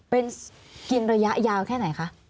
เป็นกินระยะยาวแค่ไหนคะ